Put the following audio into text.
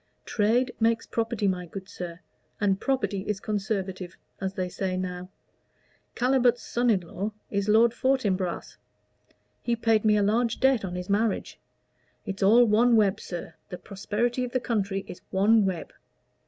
Trade makes property, my good sir, and property is conservative, as they say now. Calibut's son in law is Lord Fortinbras. He paid me a large debt on his marriage. It's all one web, sir. The prosperity of the country is one web."